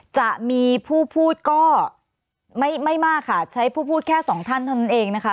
จะมีผู้พูดก็ไม่มากค่ะใช้ผู้พูดแค่สองท่านเท่านั้นเองนะคะ